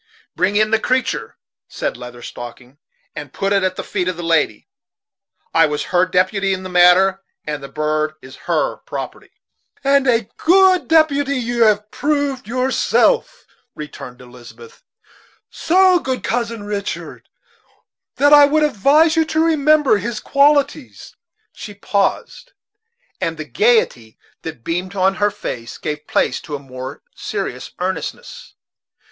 "Bring in the creatur'," said Leather Stocking, "and put it at the feet of the lady. I was her deputy in the matter, and the bird is her property." "And a good deputy you have proved yourself," returned Elizabeth "so good, Cousin Richard, that I would advise you to remember his qualities." She paused, and the gayety that beamed on her face gave place to a more serious earnestness.